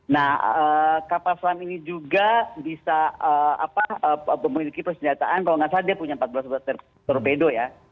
nah kapal selam ini juga bisa memiliki persenjataan kalau nggak salah dia punya empat belas torpedo ya